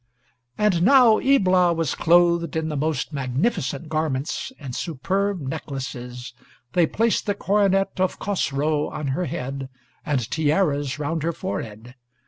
And now Ibla was clothed in the most magnificent garments, and superb necklaces; they placed the coronet of Chosroe on her head, and tiaras round her forehead.